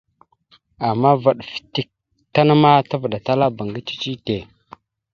Ama vaɗ fətek tan ma tavəɗataləbáŋga cici tte.